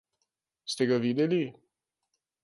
Ste ga videli?